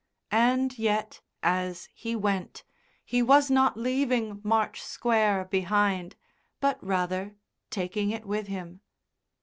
And yet, as he went, he was not leaving March Square behind, but rather taking it with him.